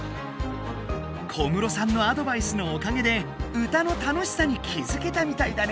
小室さんのアドバイスのおかげで歌の楽しさに気づけたみたいだね。